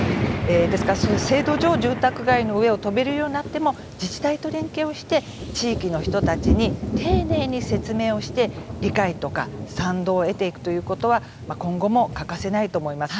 ですから、制度上、住宅街の上を飛べるようになっても自治体と連携をして地域の人たちに丁寧に説明をして理解とか賛同を得ていくということは今後も欠かせないと思います。